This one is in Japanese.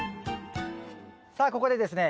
さあここでですね